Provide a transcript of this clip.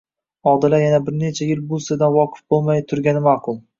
Odila yana bir necha Yil bu sirdan voqif bo'lmay turgani ma'qul.